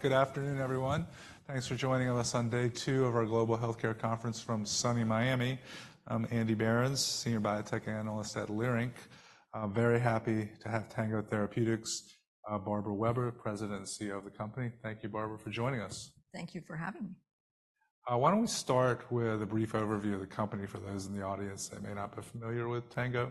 Good afternoon, everyone. Thanks for joining us on day two of our Global Healthcare Conference from sunny Miami. I'm Andy Behrens, Senior Biotech Analyst at Leerink. I'm very happy to have Tango Therapeutics', Barbara Weber, President and CEO of the company. Thank you, Barbara, for joining us. Thank you for having me. Why don't we start with a brief overview of the company for those in the audience that may not be familiar with Tango?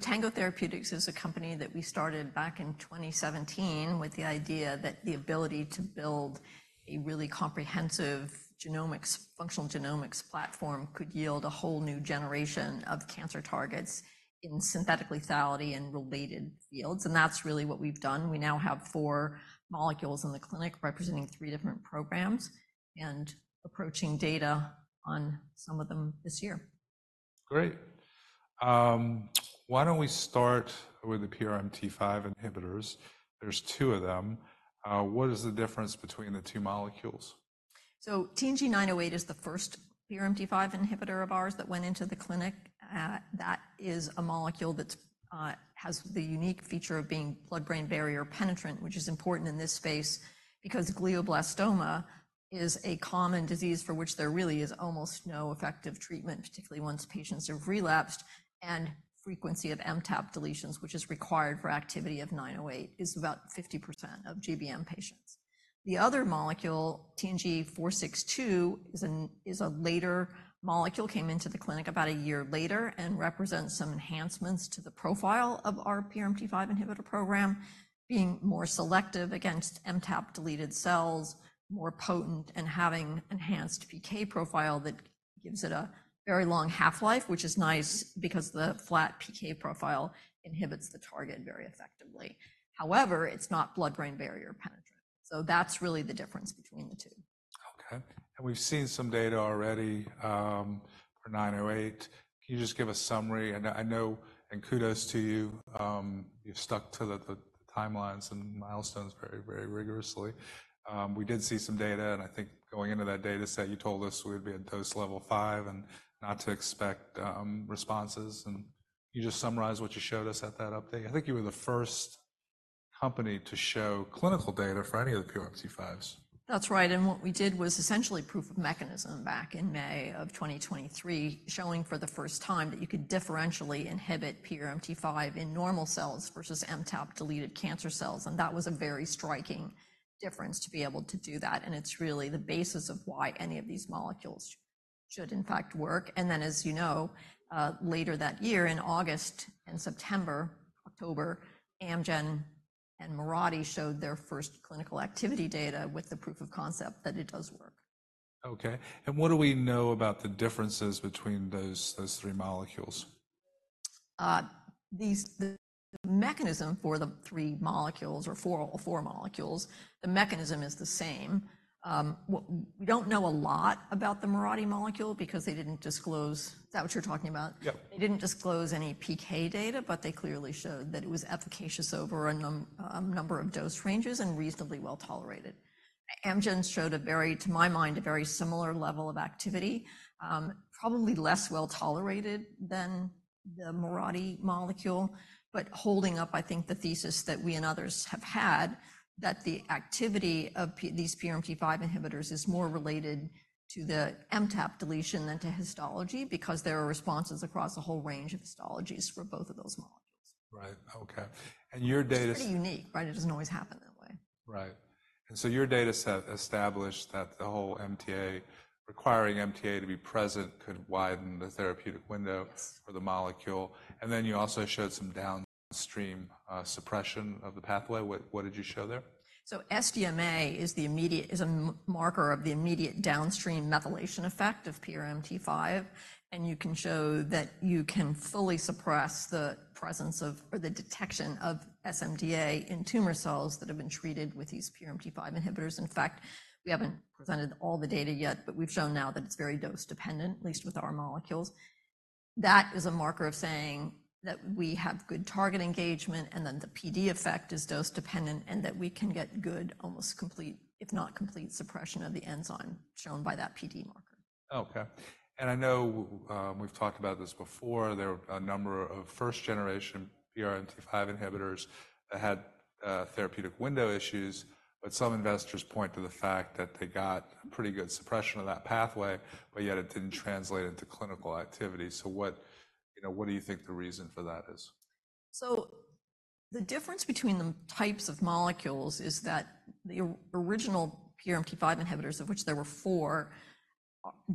Tango Therapeutics is a company that we started back in 2017 with the idea that the ability to build a really comprehensive genomics, functional genomics platform could yield a whole new generation of cancer targets in synthetic lethality and related fields, and that's really what we've done. We now have four molecules in the clinic representing three different programs and approaching data on some of them this year. Great. Why don't we start with the PRMT5 inhibitors? There's two of them. What is the difference between the two molecules? TNG908 is the first PRMT5 inhibitor of ours that went into the clinic. That is a molecule that has the unique feature of being blood-brain barrier penetrant, which is important in this space because glioblastoma is a common disease for which there really is almost no effective treatment, particularly once patients have relapsed. Frequency of MTAP deletions, which is required for activity of 908, is about 50% of GBM patients. The other molecule, TNG462, is a later molecule, came into the clinic about a year later and represents some enhancements to the profile of our PRMT5 inhibitor program, being more selective against MTAP-deleted cells, more potent, and having enhanced PK profile that gives it a very long half-life, which is nice because the flat PK profile inhibits the target very effectively. However, it's not blood-brain barrier penetrant. So that's really the difference between the two. Okay, and we've seen some data already for 908. Can you just give a summary? And I know, and kudos to you, you've stuck to the timelines and milestones very, very rigorously. We did see some data, and I think going into that data set, you told us we'd be at dose level 5 and not to expect responses. And can you just summarize what you showed us at that update? I think you were the first company to show clinical data for any of the PRMT5s. That's right, and what we did was essentially proof of mechanism back in May of 2023, showing for the first time that you could differentially inhibit PRMT5 in normal cells versus MTAP-deleted cancer cells, and that was a very striking difference to be able to do that, and it's really the basis of why any of these molecules should, in fact, work. And then, as you know, later that year, in August and September, October, Amgen and Mirati showed their first clinical activity data with the proof of concept that it does work. Okay, and what do we know about the differences between those three molecules? These, the mechanism for the three molecules or four, all four molecules, the mechanism is the same. We don't know a lot about the Mirati molecule because they didn't disclose... Is that what you're talking about? Yep. They didn't disclose any PK data, but they clearly showed that it was efficacious over a number of dose ranges and reasonably well-tolerated. Amgen showed a very, to my mind, a very similar level of activity, probably less well-tolerated than the Mirati molecule, but holding up, I think, the thesis that we and others have had, that the activity of these PRMT5 inhibitors is more related to the MTAP deletion than to histology, because there are responses across a whole range of histologies for both of those molecules. Right. Okay, and your data- It's pretty unique, right? It doesn't always happen that way. Right. And so your data set established that the whole MTA, requiring MTA to be present, could widen the therapeutic window. Yes... for the molecule. And then you also showed some downstream suppression of the pathway. What did you show there? So SDMA is a marker of the immediate downstream methylation effect of PRMT5, and you can show that you can fully suppress the presence of, or the detection of SDMA in tumor cells that have been treated with these PRMT5 inhibitors. In fact, we haven't presented all the data yet, but we've shown now that it's very dose-dependent, at least with our molecules. That is a marker of saying that we have good target engagement, and then the PD effect is dose-dependent, and that we can get good, almost complete, if not complete, suppression of the enzyme shown by that PD marker. Okay, and I know we've talked about this before. There are a number of first-generation PRMT5 inhibitors that had therapeutic window issues, but some investors point to the fact that they got pretty good suppression of that pathway, but yet it didn't translate into clinical activity. So what, you know, what do you think the reason for that is? So the difference between the types of molecules is that the original PRMT5 inhibitors, of which there were four,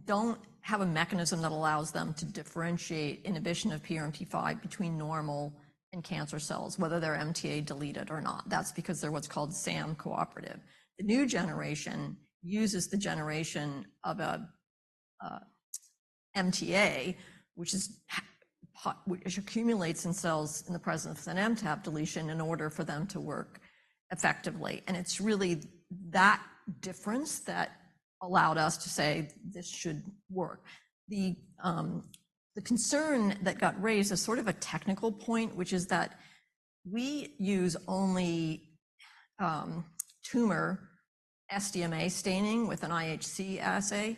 don't have a mechanism that allows them to differentiate inhibition of PRMT5 between normal and cancer cells, whether they're MTA deleted or not. That's because they're what's called SAM cooperative. The new generation uses the generation of a MTA, which accumulates in cells in the presence of an MTAP deletion in order for them to work effectively, and it's really that difference that allowed us to say, "This should work." The concern that got raised is sort of a technical point, which is that we use only tumor SDMA staining with an IHC assay.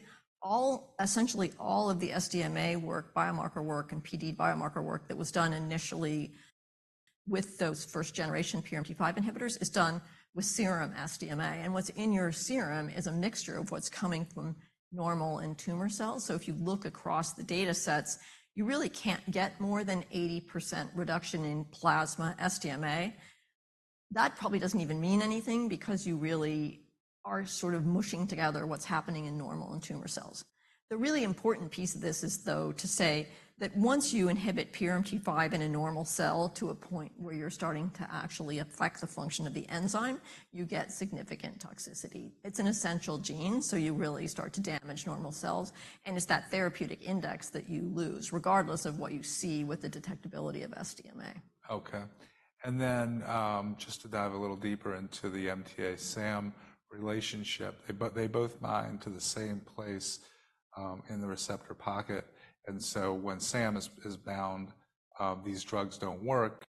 Essentially, all of the SDMA work, biomarker work, and PD biomarker work that was done initially with those first-generation PRMT5 inhibitors is done with serum SDMA, and what's in your serum is a mixture of what's coming from normal and tumor cells. So if you look across the data sets, you really can't get more than 80% reduction in plasma SDMA. That probably doesn't even mean anything because you really are sort of mushing together what's happening in normal and tumor cells. The really important piece of this is, though, to say that once you inhibit PRMT5 in a normal cell to a point where you're starting to actually affect the function of the enzyme, you get significant toxicity. It's an essential gene, so you really start to damage normal cells, and it's that therapeutic index that you lose, regardless of what you see with the detectability of SDMA. Okay. And then, just to dive a little deeper into the MTA SAM relationship, they both bind to the same place, in the receptor pocket, and so when SAM is bound, these drugs don't work,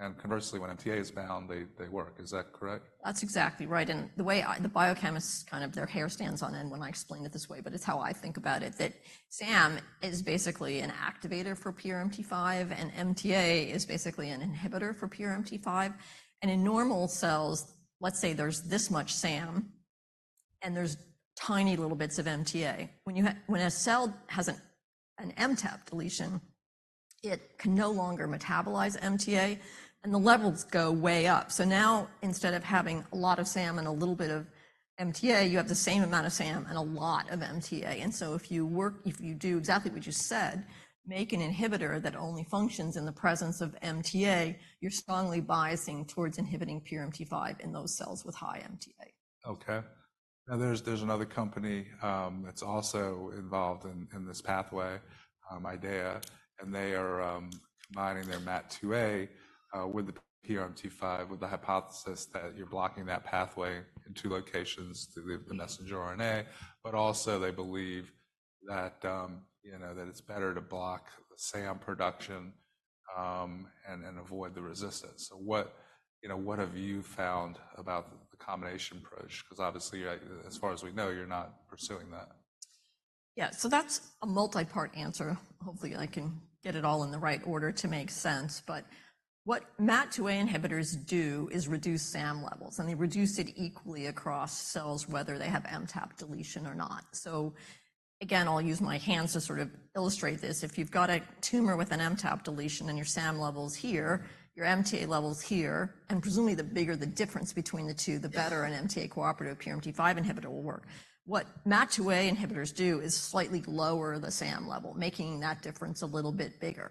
and conversely, when MTA is bound, they work. Is that correct? That's exactly right. And the way the biochemists, kind of their hair stands on end when I explain it this way, but it's how I think about it, that SAM is basically an activator for PRMT5, and MTA is basically an inhibitor for PRMT5. And in normal cells, let's say there's this much SAM, and there's tiny little bits of MTA. When a cell has an MTAP deletion, it can no longer metabolize MTA, and the levels go way up. So now, instead of having a lot of SAM and a little bit of MTA, you have the same amount of SAM and a lot of MTA. And so if you do exactly what you just said, make an inhibitor that only functions in the presence of MTA, you're strongly biasing towards inhibiting PRMT5 in those cells with high MTA. Okay. Now, there's another company that's also involved in this pathway, IDEAYA, and they are making their MAT2A with the PRMT5, with the hypothesis that you're blocking that pathway in two locations through the messenger RNA, but also they believe that, you know, that it's better to block SAM production, and avoid the resistance. So what, you know, what have you found about the combination approach? Because obviously, as far as we know, you're not pursuing that. Yeah, so that's a multi-part answer. Hopefully, I can get it all in the right order to make sense. But what MAT2A inhibitors do is reduce SAM levels, and they reduce it equally across cells, whether they have MTAP deletion or not. So again, I'll use my hands to sort of illustrate this. If you've got a tumor with an MTAP deletion and your SAM level's here, your MTA level's here, and presumably, the bigger the difference between the two, the better an MTA cooperative PRMT5 inhibitor will work. What MAT2A inhibitors do is slightly lower the SAM level, making that difference a little bit bigger.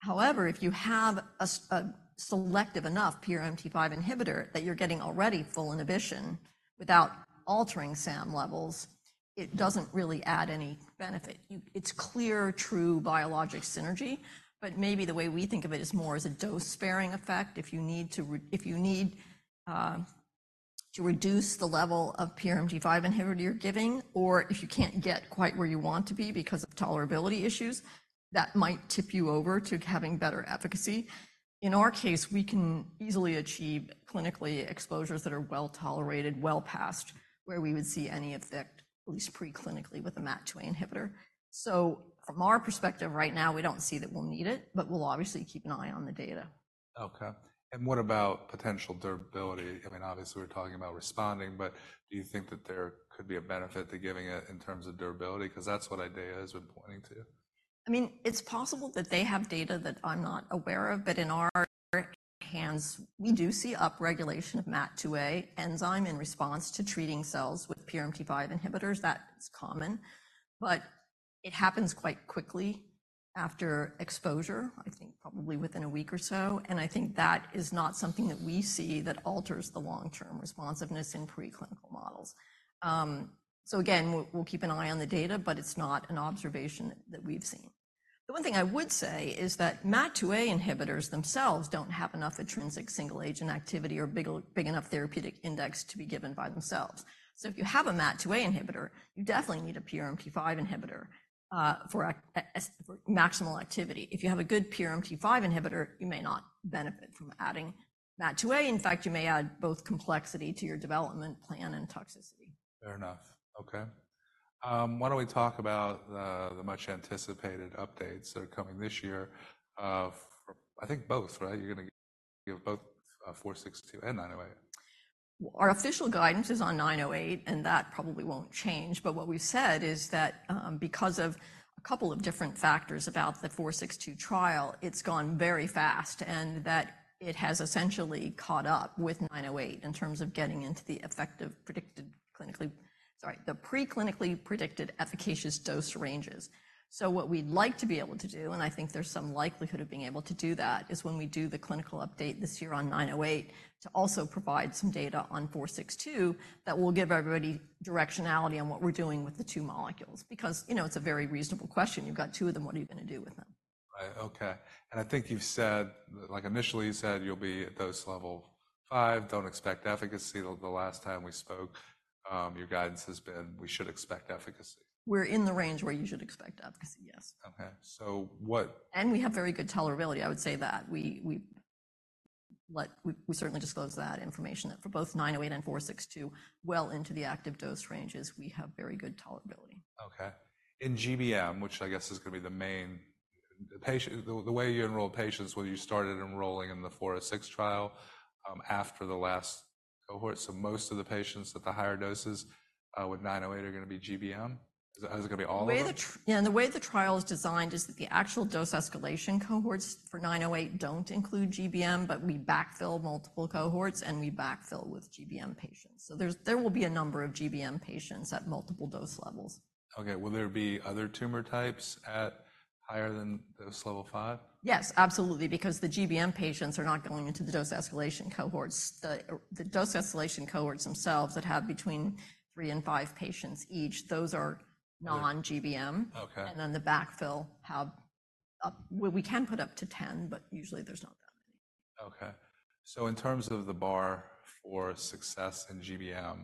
However, if you have a selective enough PRMT5 inhibitor that you're getting already full inhibition without altering SAM levels, it doesn't really add any benefit. It's clear, true biologic synergy, but maybe the way we think of it is more as a dose-sparing effect. If you need to reduce the level of PRMT5 inhibitor you're giving, or if you can't get quite where you want to be because of tolerability issues, that might tip you over to having better efficacy. In our case, we can easily achieve clinical exposures that are well-tolerated, well past where we would see any effect, at least preclinically, with a MAT2A inhibitor. So from our perspective right now, we don't see that we'll need it, but we'll obviously keep an eye on the data. Okay. And what about potential durability? I mean, obviously, we're talking about responding, but do you think that there could be a benefit to giving it in terms of durability? Because that's what IDEAYA has been pointing to. I mean, it's possible that they have data that I'm not aware of, but in our hands, we do see upregulation of MAT2A enzyme in response to treating cells with PRMT5 inhibitors. That is common, but it happens quite quickly after exposure, I think probably within a week or so, and I think that is not something that we see that alters the long-term responsiveness in preclinical models. So again, we'll keep an eye on the data, but it's not an observation that we've seen. The one thing I would say is that MAT2A inhibitors themselves don't have enough intrinsic single-agent activity or big, big enough therapeutic index to be given by themselves. So if you have a MAT2A inhibitor, you definitely need a PRMT5 inhibitor for maximal activity. If you have a good PRMT5 inhibitor, you may not benefit from adding MAT2A. In fact, you may add both complexity to your development plan and toxicity. Fair enough. Okay. Why don't we talk about the much-anticipated updates that are coming this year? For... I think both, right? You're gonna give both, 462 and 908. Our official guidance is on 908, and that probably won't change. But what we've said is that, because of a couple of different factors about the 462 trial, it's gone very fast, and that it has essentially caught up with 908 in terms of getting into the effective, predicted, preclinically predicted efficacious dose ranges. So what we'd like to be able to do, and I think there's some likelihood of being able to do that, is when we do the clinical update this year on 908, to also provide some data on 462 that will give everybody directionality on what we're doing with the two molecules. Because, you know, it's a very reasonable question. You've got two of them, what are you gonna do with them? Right. Okay. And I think you've said, like, initially, you said you'll be at dose level 5, don't expect efficacy. The last time we spoke, your guidance has been, we should expect efficacy. We're in the range where you should expect efficacy, yes. Okay, so what- We have very good tolerability. I would say that we certainly disclose that information, that for both 908 and 462, well into the active dose ranges, we have very good tolerability. Okay. In GBM, which I guess is going to be the main, the patient—the way you enrolled patients, where you started enrolling in the 406 trial after the last cohort. So most of the patients at the higher doses with 908 are going to be GBM? Is it going to be all of them? The way the— Yeah, and the way the trial is designed is that the actual dose escalation cohorts for 908 don't include GBM, but we backfill multiple cohorts, and we backfill with GBM patients. So there's, there will be a number of GBM patients at multiple dose levels. Okay, will there be other tumor types at higher than dose level 5? Yes, absolutely, because the GBM patients are not going into the dose escalation cohorts. The dose escalation cohorts themselves that have between 3 and 5 patients each, those are non-GBM. Okay. Then the backfill. Well, we can put up to 10, but usually there's not that many. Okay. So in terms of the bar for success in GBM,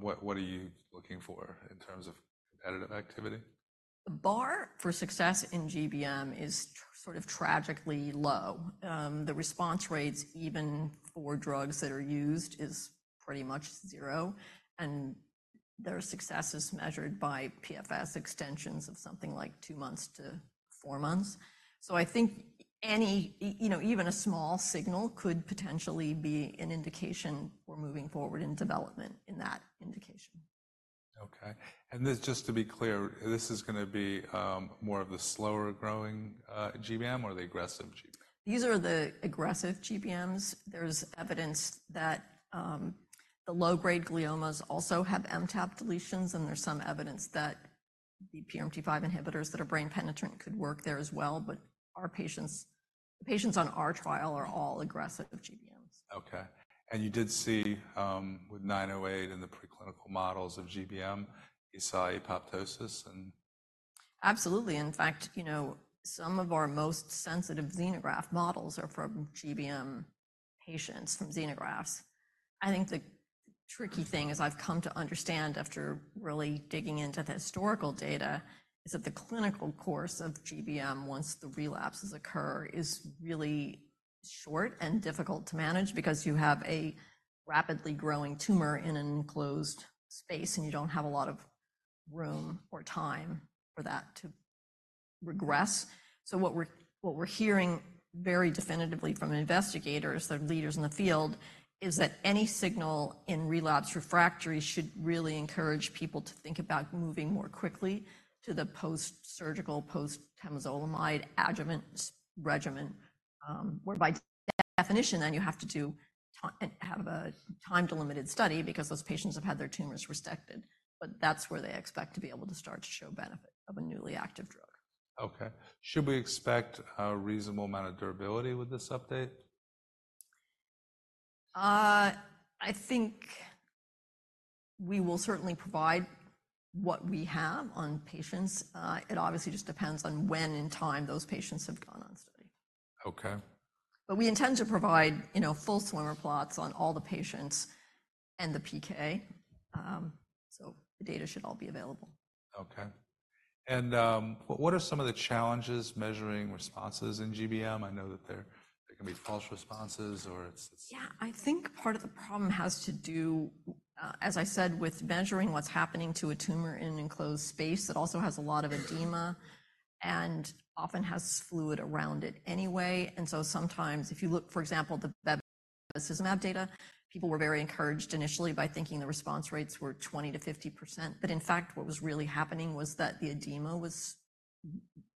what, what are you looking for in terms of competitive activity? The bar for success in GBM is sort of tragically low. The response rates, even for drugs that are used, is pretty much zero, and their success is measured by PFS extensions of something like 2-4 months. So I think any, you know, even a small signal could potentially be an indication we're moving forward in development in that indication. Okay. And just to be clear, this is going to be more of the slower-growing GBM or the aggressive GBM? These are the aggressive GBMs. There's evidence that the low-grade gliomas also have MTAP deletions, and there's some evidence that the PRMT5 inhibitors that are brain-penetrant could work there as well. But our patients, the patients on our trial are all aggressive GBMs. Okay. You did see, with 908 in the preclinical models of GBM, you saw apoptosis and? Absolutely. In fact, you know, some of our most sensitive xenograft models are from GBM patients, from xenografts. I think the tricky thing, as I've come to understand after really digging into the historical data, is that the clinical course of GBM, once the relapses occur, is really short and difficult to manage because you have a rapidly growing tumor in an enclosed space, and you don't have a lot of room or time for that to regress. So what we're hearing very definitively from investigators, the leaders in the field, is that any signal in relapse refractory should really encourage people to think about moving more quickly to the post-surgical, post-temozolomide adjuvant regimen, where by definition, then you have to do a time-delimited study because those patients have had their tumors resected. That's where they expect to be able to start to show benefit of a newly active drug. Okay. Should we expect a reasonable amount of durability with this update? I think we will certainly provide what we have on patients. It obviously just depends on when in time those patients have gone on study. Okay. But we intend to provide, you know, full swimmer plots on all the patients and the PK. So the data should all be available. Okay. And, what are some of the challenges measuring responses in GBM? I know that there can be false responses or it's- Yeah, I think part of the problem has to do, as I said, with measuring what's happening to a tumor in an enclosed space. It also has a lot of edema and often has fluid around it anyway. And so sometimes, if you look, for example, the bevacizumab data, people were very encouraged initially by thinking the response rates were 20%-50%. But in fact, what was really happening was that the edema was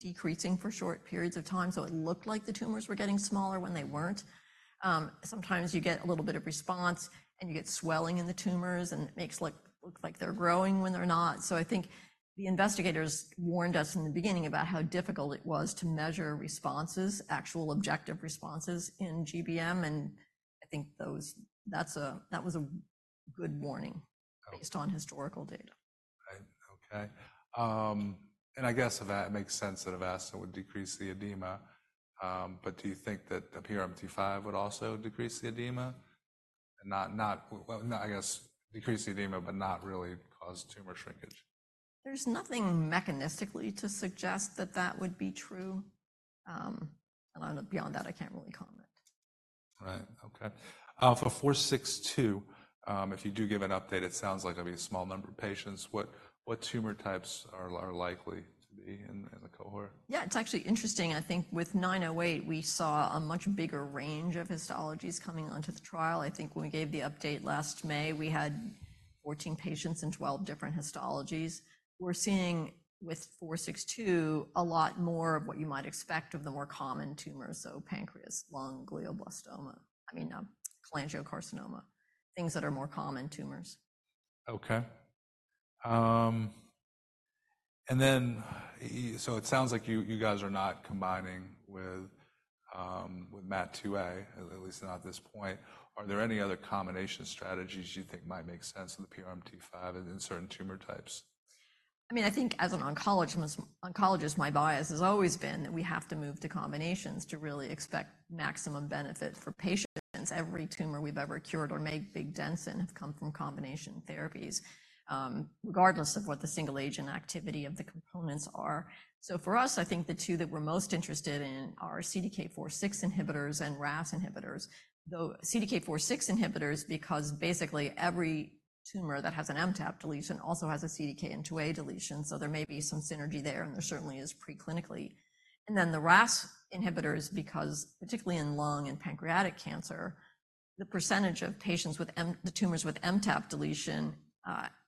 decreasing for short periods of time, so it looked like the tumors were getting smaller when they weren't. Sometimes you get a little bit of response, and you get swelling in the tumors, and it makes it look like they're growing when they're not. So I think the investigators warned us in the beginning about how difficult it was to measure responses, actual objective responses in GBM, and I think that was a good warning. Okay. -based on historical data. Right. Okay. I guess that makes sense that Avastin would decrease the edema, but do you think that the PRMT5 would also decrease the edema? Not well, not, I guess, decrease the edema, but not really cause tumor shrinkage. There's nothing mechanistically to suggest that that would be true. Beyond that, I can't really comment. Right. Okay. For 462, if you do give an update, it sounds like it'll be a small number of patients. What tumor types are likely to be in the cohort? Yeah, it's actually interesting. I think with TNG908, we saw a much bigger range of histologies coming onto the trial. I think when we gave the update last May, we had 14 patients in 12 different histologies. We're seeing with TNG462, a lot more of what you might expect of the more common tumors, so pancreas, lung, glioblastoma, I mean, cholangiocarcinoma, things that are more common tumors. Okay. And then, so it sounds like you, you guys are not combining with, with MAT2A, at least not at this point. Are there any other combination strategies you think might make sense in the PRMT5 and in certain tumor types? I mean, I think as an oncologist, my bias has always been that we have to move to combinations to really expect maximum benefit for patients. Every tumor we've ever cured or made big dents in have come from combination therapies, regardless of what the single-agent activity of the components are. So for us, I think the two that we're most interested in are CDK4/6 inhibitors and RAS inhibitors. The CDK4/6 inhibitors, because basically every tumor that has an MTAP deletion also has a CDKN2A deletion, so there may be some synergy there, and there certainly is preclinically. And then the RAS inhibitors, because particularly in lung and pancreatic cancer, the percentage of patients with the tumors with MTAP deletion,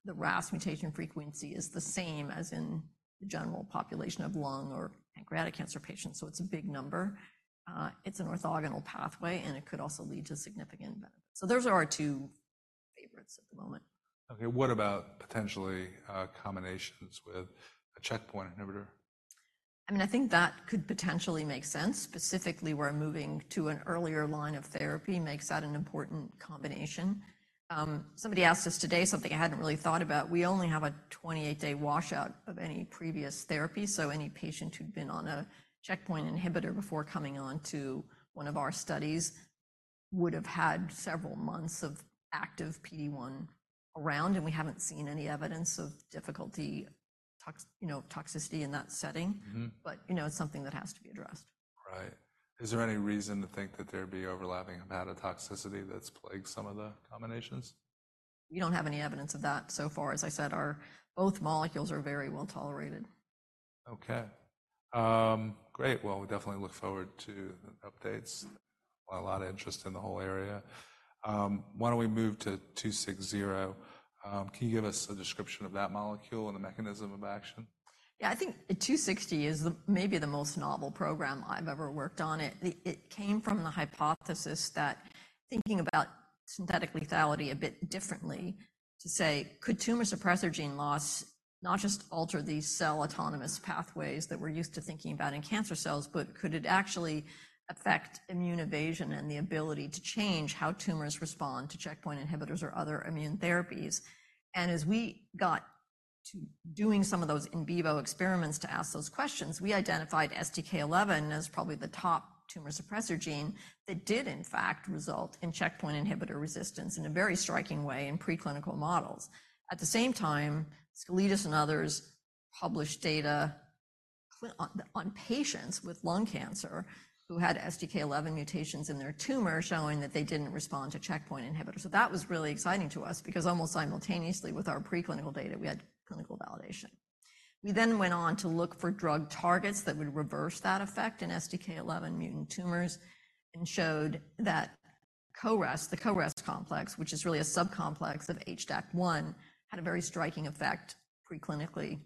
the RAS mutation frequency is the same as in the general population of lung or pancreatic cancer patients, so it's a big number. It's an orthogonal pathway, and it could also lead to significant benefit. So those are our two favorites at the moment. Okay, what about potentially, combinations with a checkpoint inhibitor? I mean, I think that could potentially make sense, specifically where moving to an earlier line of therapy makes that an important combination. Somebody asked us today something I hadn't really thought about. We only have a 28-day washout of any previous therapy, so any patient who'd been on a checkpoint inhibitor before coming on to one of our studies would have had several months of active PD-1 around, and we haven't seen any evidence of difficulty tox, you know, toxicity in that setting. Mm-hmm. But, you know, it's something that has to be addressed. Right. Is there any reason to think that there'd be overlapping amount of toxicity that's plagued some of the combinations? We don't have any evidence of that so far. As I said, our both molecules are very well tolerated. Okay. Great, well, we definitely look forward to updates. A lot of interest in the whole area. Why don't we move to 260? Can you give us a description of that molecule and the mechanism of action? Yeah, I think 260 is the, maybe the most novel program I've ever worked on. It came from the hypothesis that thinking about synthetic lethality a bit differently to say: Could tumor suppressor gene loss not just alter these cell-autonomous pathways that we're used to thinking about in cancer cells, but could it actually affect immune evasion and the ability to change how tumors respond to checkpoint inhibitors or other immune therapies? And as we got to doing some of those in vivo experiments to ask those questions, we identified STK11 as probably the top tumor suppressor gene that did, in fact, result in checkpoint inhibitor resistance in a very striking way in preclinical models. At the same time, Skoulidis and others published data on patients with lung cancer who had STK11 mutations in their tumor, showing that they didn't respond to checkpoint inhibitors. So that was really exciting to us because almost simultaneously with our preclinical data, we had clinical validation. We then went on to look for drug targets that would reverse that effect in STK11 mutant tumors and showed that CoREST, the CoREST complex, which is really a subcomplex of HDAC1, had a very striking effect preclinically.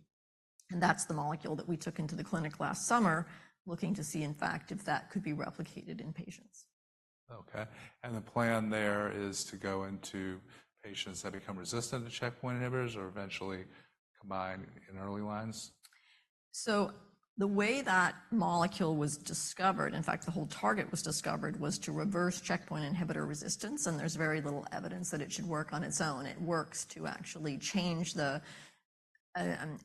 And that's the molecule that we took into the clinic last summer, looking to see, in fact, if that could be replicated in patients. Okay, the plan there is to go into patients that become resistant to checkpoint inhibitors or eventually combine in early lines? So the way that molecule was discovered, in fact, the whole target was discovered, was to reverse checkpoint inhibitor resistance, and there's very little evidence that it should work on its own. It works to actually change the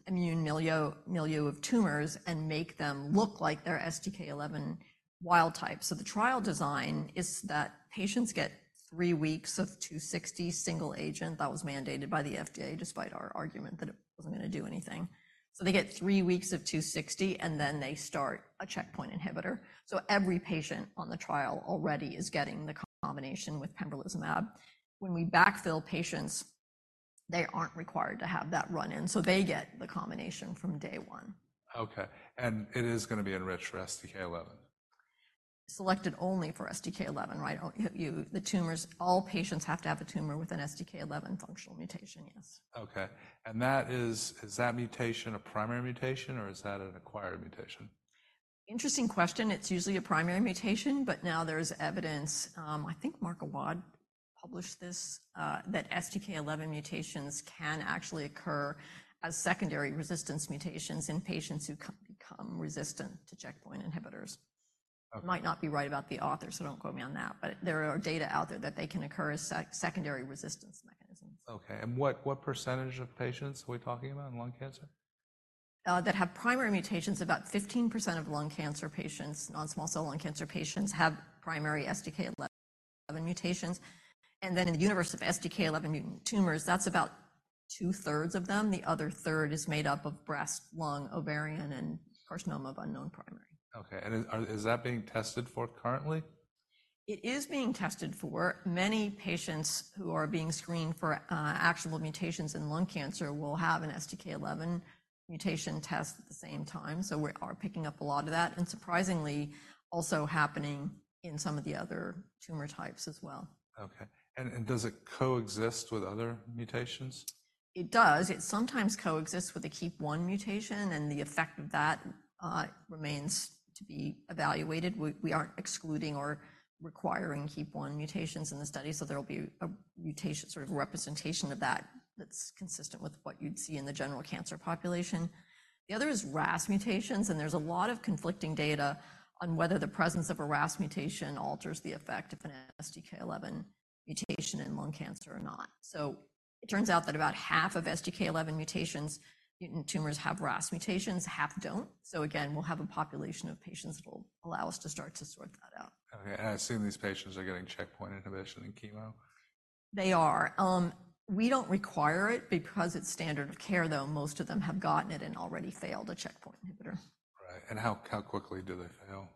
immune milieu, milieu of tumors and make them look like they're STK11 wild type. So the trial design is that patients get three weeks of TNG260 single agent. That was mandated by the FDA, despite our argument that it wasn't going to do anything. So they get three weeks of TNG260, and then they start a checkpoint inhibitor. So every patient on the trial already is getting the combination with pembrolizumab. When we backfill patients, they aren't required to have that run-in, so they get the combination from day one. Okay, and it is going to be enriched for STK11? Selected only for STK11, right. All patients have to have a tumor with an STK11 functional mutation, yes. Okay, and that is... Is that mutation a primary mutation, or is that an acquired mutation? Interesting question. It's usually a primary mutation, but now there's evidence, I think Mark Awad published this, that STK11 mutations can actually occur as secondary resistance mutations in patients who become resistant to checkpoint inhibitors. Okay. Might not be right about the author, so don't quote me on that, but there are data out there that they can occur as secondary resistance mechanisms. Okay, and what percentage of patients are we talking about in lung cancer? That have primary mutations, about 15% of lung cancer patients, non-small cell lung cancer patients, have primary STK11 mutations. And then in the universe of STK11 mutant tumors, that's about two-thirds of them. The other third is made up of breast, lung, ovarian, and carcinoma of unknown primary. Okay, and is that being tested for currently? It is being tested for. Many patients who are being screened for actionable mutations in lung cancer will have an STK11 mutation test at the same time, so we are picking up a lot of that, and surprisingly, also happening in some of the other tumor types as well. Okay. And, does it coexist with other mutations? It does. It sometimes coexist with a KEAP1 mutation, and the effect of that remains to be evaluated. We aren't excluding or requiring KEAP1 mutations in the study, so there will be a mutation, sort of representation of that that's consistent with what you'd see in the general cancer population. The other is RAS mutations, and there's a lot of conflicting data on whether the presence of a RAS mutation alters the effect of an STK11 mutation in lung cancer or not. So it turns out that about half of STK11-mutant tumors have RAS mutations, half don't. So again, we'll have a population of patients that will allow us to start to sort that out. Okay, and I assume these patients are getting checkpoint inhibition and chemo? They are. We don't require it because it's standard of care, though most of them have gotten it and already failed a checkpoint inhibitor. Right. And how quickly do they fail?...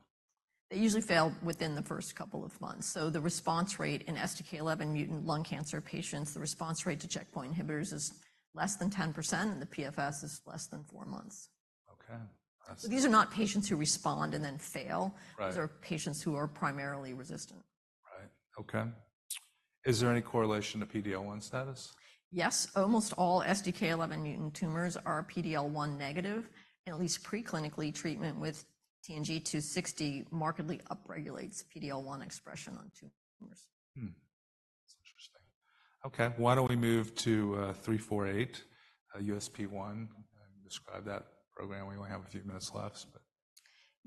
they usually fail within the first couple of months. So the response rate in STK11-mutant lung cancer patients, the response rate to checkpoint inhibitors is less than 10%, and the PFS is less than four months. Okay, that's- These are not patients who respond and then fail. Right. These are patients who are primarily resistant. Right. Okay. Is there any correlation to PD-L1 status? Yes, almost all STK11 mutant tumors are PD-L1 negative, and at least preclinically, treatment with TNG260 markedly upregulates PD-L1 expression on tumors. Hmm. That's interesting. Okay, why don't we move to 348, USP1, and describe that program. We only have a few minutes left, but.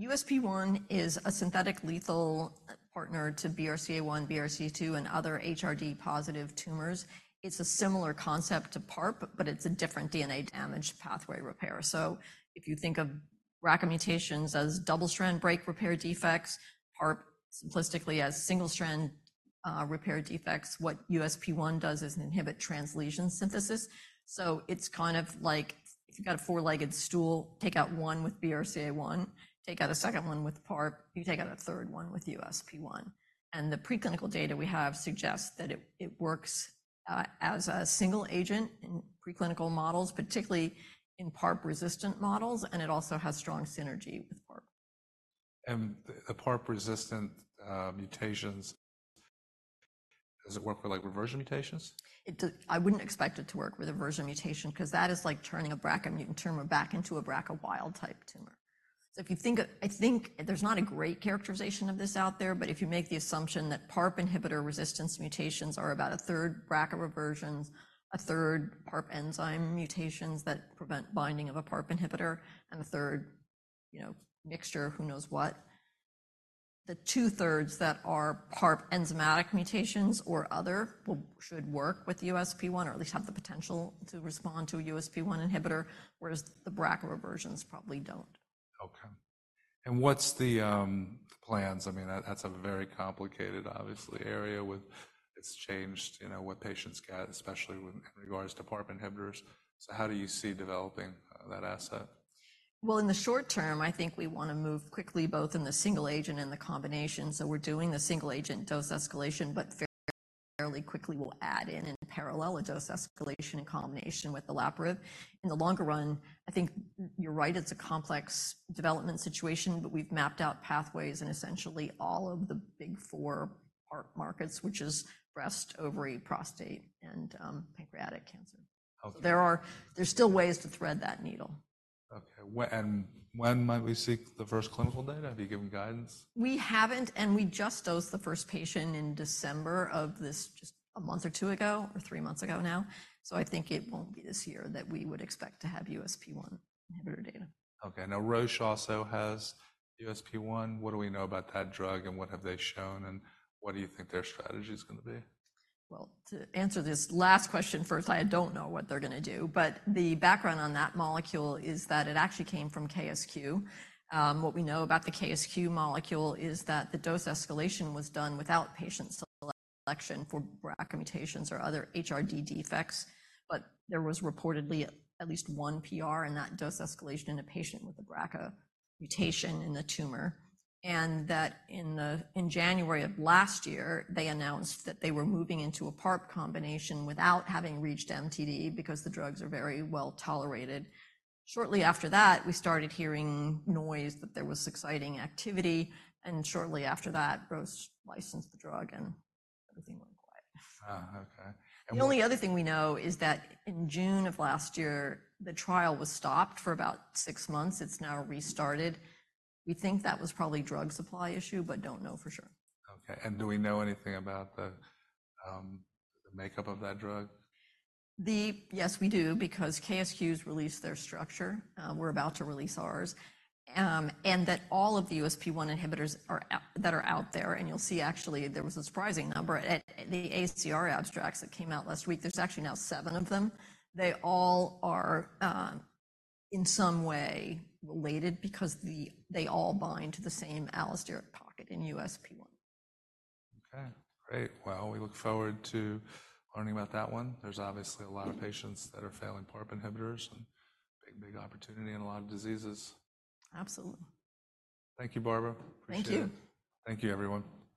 USP1 is a synthetic lethal partner to BRCA1, BRCA2, and other HRD-positive tumors. It's a similar concept to PARP, but it's a different DNA damage pathway repair. So if you think of BRCA mutations as double-strand break repair defects, PARP simplistically as single-strand repair defects, what USP1 does is inhibit translesion synthesis. So it's kind of like if you've got a four-legged stool, take out one with BRCA1, take out a second one with PARP, you take out a third one with USP1. And the preclinical data we have suggests that it works as a single agent in preclinical models, particularly in PARP-resistant models, and it also has strong synergy with PARP. The PARP-resistant mutations, does it work with, like, reversion mutations? I wouldn't expect it to work with a reversion mutation 'cause that is like turning a BRCA mutant tumor back into a BRCA wild-type tumor. So if you think of... I think there's not a great characterization of this out there, but if you make the assumption that PARP inhibitor resistance mutations are about a third BRCA reversions, a third PARP enzyme mutations that prevent binding of a PARP inhibitor, and a third, you know, mixture, who knows what? The two-thirds that are PARP enzymatic mutations or other will should work with USP1, or at least have the potential to respond to a USP1 inhibitor, whereas the BRCA reversions probably don't. Okay. And what's the plans? I mean, that's a very complicated, obviously, area. It's changed, you know, what patients get, especially within regards to PARP inhibitors. So how do you see developing that asset? Well, in the short term, I think we want to move quickly, both in the single agent and the combination. So we're doing the single agent dose escalation, but fairly, fairly quickly, we'll add in, in parallel, a dose escalation in combination with olaparib. In the longer run, I think you're right, it's a complex development situation, but we've mapped out pathways in essentially all of the big four PARP markets, which is breast, ovary, prostate, and pancreatic cancer. Okay. So there's still ways to thread that needle. Okay. When might we see the first clinical data? Have you given guidance? We haven't, and we just dosed the first patient in December of this, just a month or two ago, or three months ago now. So I think it won't be this year that we would expect to have USP1 inhibitor data. Okay, now Roche also has USP1. What do we know about that drug, and what have they shown, and what do you think their strategy is gonna be? Well, to answer this last question first, I don't know what they're gonna do. But the background on that molecule is that it actually came from KSQ. What we know about the KSQ molecule is that the dose escalation was done without patient selection for BRCA mutations or other HRD defects, but there was reportedly at least one PR in that dose escalation in a patient with a BRCA mutation in the tumor. And that in January of last year, they announced that they were moving into a PARP combination without having reached MTD because the drugs are very well tolerated. Shortly after that, we started hearing noise that there was exciting activity, and shortly after that, Roche licensed the drug, and everything went quiet. Ah, okay. And what- The only other thing we know is that in June of last year, the trial was stopped for about six months. It's now restarted. We think that was probably drug supply issue, but don't know for sure. Okay, and do we know anything about the makeup of that drug? Yes, we do, because KSQ's released their structure, we're about to release ours. And that all of the USP1 inhibitors are out that are out there, and you'll see actually there was a surprising number at the ACR abstracts that came out last week. There's actually now seven of them. They all are in some way related because they all bind to the same allosteric pocket in USP1. Okay, great. Well, we look forward to learning about that one. There's obviously a lot of patients that are failing PARP inhibitors and big, big opportunity in a lot of diseases. Absolutely. Thank you, Barbara. Appreciate it. Thank you. Thank you, everyone.